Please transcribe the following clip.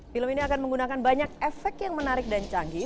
film ini akan menggunakan banyak efek yang menarik dan canggih